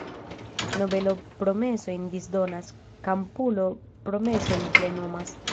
Nobelo promesojn disdonas, kampulo promesojn plenumas.